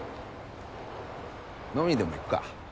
飲みにでも行くか。